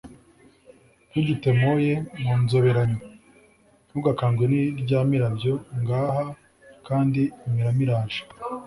Ntugitemoye mu nzoberanyo !Ntugakangwe n' irya mirabyo, Ngaha kandi imirama iraje